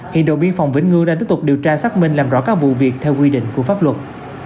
hiện đội biên phòng vĩnh ngư đang tiếp tục điều tra xác minh làm rõ các vụ việc theo quy định của pháp luật